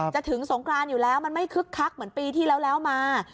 ถึงสงกรานอยู่แล้วมันไม่คึกคักเหมือนปีที่แล้วมา